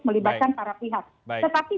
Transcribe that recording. melibatkan para pihak tetapi